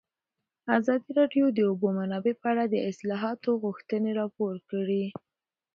ازادي راډیو د د اوبو منابع په اړه د اصلاحاتو غوښتنې راپور کړې.